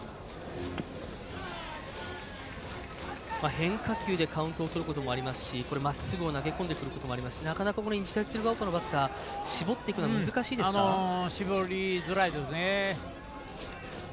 変化球でカウントをとることもありますしまっすぐを投げこんでくることもありますしなかなか日大鶴ヶ丘のバッター絞っていくのは絞りづらいですね。